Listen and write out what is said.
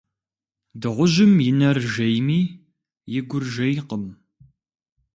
Дыгъужьым и нэр жейми, и гур жейкъым.